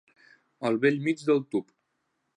Al bell mig del tub.